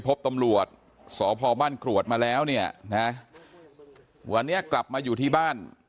พบตำรวจสพบ้านกรวดมาแล้วเนี่ยนะวันนี้กลับมาอยู่ที่บ้าน